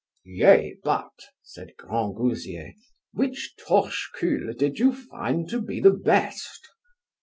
Yea, but, said Grangousier, which torchecul did you find to be the best?